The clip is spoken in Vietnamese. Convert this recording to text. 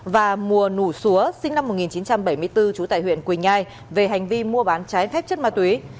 và mùa nủ xúa sinh năm một nghìn chín trăm bảy mươi bốn trú tại huyện quỳnh nhai về hành vi mua bán trái phép chất ma túy